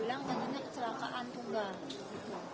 bilang banyaknya kecelakaan tunggal